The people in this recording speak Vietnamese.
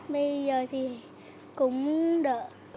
bây giờ thì cũng đỡ